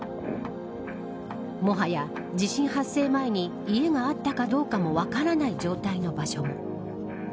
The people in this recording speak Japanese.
もはや、地震発生前に家があったかどうかも分からない状態の場所も。